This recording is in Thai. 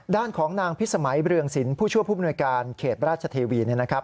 ด้านของนางพิษสมัยเบรืองศิลป์ผู้ช่วยผู้บรินวยการเขตราชาทีวีนะครับ